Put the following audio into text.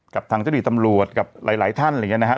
กับทางเจ้าดิบตำรวจกับหลายหลายท่านอะไรอย่างเงี้ยนะฮะ